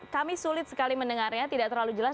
kami sulit sekali mendengarnya tidak terlalu jelas